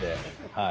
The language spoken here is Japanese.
はい。